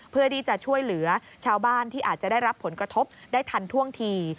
เพื่อที่จะช่วยเหลือชาวบ้านที่อาจจะได้รับผลกระทบได้ทันท่วงที